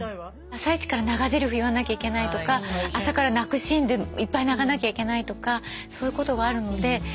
朝いちから長ゼリフ言わなきゃいけないとか朝から泣くシーンでいっぱい泣かなきゃいけないとかそういうことがあるので。